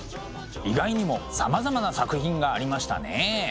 意外にもさまざまな作品がありましたね。